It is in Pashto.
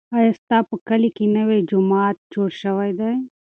ایا ستا په کلي کې نوی جومات جوړ شوی دی؟